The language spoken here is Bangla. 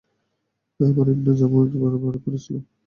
আমর ইবনে জামূহ এর এক পা খোড়া ছিল।